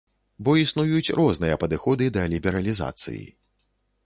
Бо існуюць розныя падыходы да лібералізацыі.